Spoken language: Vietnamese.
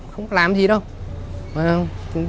không làm gì đâu